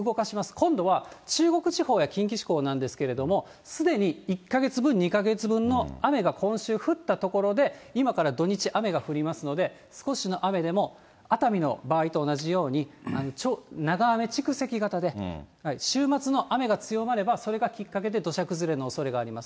今度は中国地方や近畿地方なんですけれども、すでに１か月分、２か月分の雨が今週降った所で、今から土日、雨が降りますので、少しの雨でも熱海の場合と同じように、長雨蓄積型で、週末の雨が強まれば、それがきっかけで土砂崩れのおそれがあります。